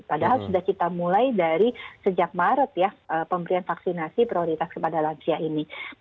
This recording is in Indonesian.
padahal sudah kita mulai dari sejak maret ya pemberian vaksinasi prioritas kepada lansia ini